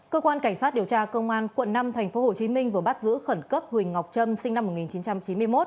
cơ quan cảnh sát điều tra công an quận năm tp hcm vừa bắt giữ khẩn cấp huỳnh ngọc trâm sinh năm một nghìn chín trăm chín mươi một